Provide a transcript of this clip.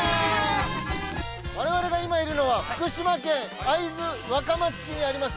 我々が今いるのは福島県会津若松市にあります